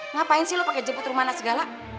ngapain sih lo pakai jemput rumana segala